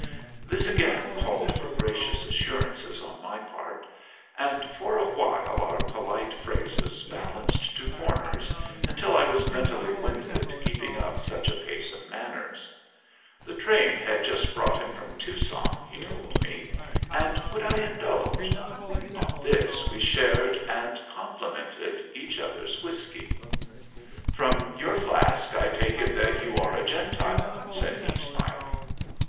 This again called for gracious assurances on my part, and for a while our polite phrases balanced to corners until I was mentally winded keeping up such a pace of manners. The train had just brought him from Tucson, he told me, and would I indulge? On this we shared and complimented each other's whiskey. "From your flask I take it that you are a Gentile," said he, smiling.